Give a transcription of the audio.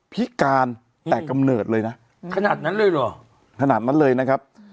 พิการแต่กำเนิดเลยนะขนาดนั้นเลยเหรอขนาดนั้นเลยนะครับ